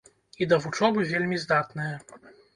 І да вучобы вельмі здатная.